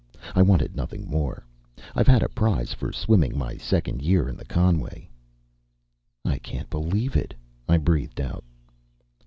I wanted nothing more. I've had a prize for swimming my second year in the Conway." "I can believe it," I breathed out.